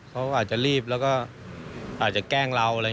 เขาอาจจะรีบแล้วก็อาจจะแกล้งเรา